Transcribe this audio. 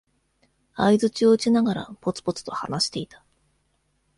相づちを打ちながら、ぽつぽつと話していた。